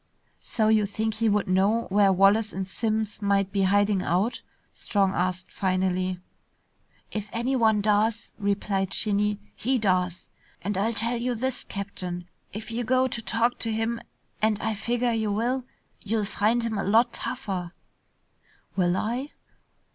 "So you think he would know where Wallace and Simms might be hiding out?" Strong asked finally. "If anyone does," replied Shinny, "he does. And I'll tell you this, Captain, if you go to talk to him and I figger you will, you'll find him a lot tougher." "Will I?"